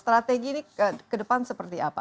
strategi ini ke depan seperti apa